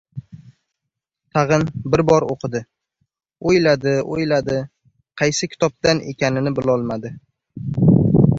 Tag‘in bir bor o‘qidi. O‘yladi-o‘yladi, qaysi kitobdan ekanini bilolmadi.